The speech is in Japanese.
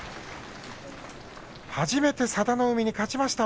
初めて佐田の海に勝ちました